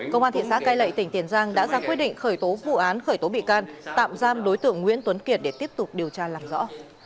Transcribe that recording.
công an thị xã cai lệ tỉnh tiền giang đã ra quyết định khởi tố vụ án khởi tố bị can tạm giam đối tượng nguyễn tuấn kiệt để tiếp tục điều tra làm rõ